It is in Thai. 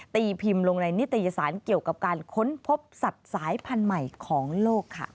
ตีพิมพ์ลงในนิตยสารเกี่ยวกับการค้นพบสัตว์สายพันธุ์ใหม่ของโลกค่ะ